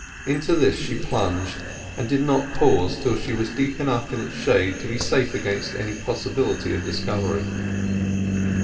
Into this she plunged, and did not pause till she was deep enough in its shade to be safe against any possibility of discovery.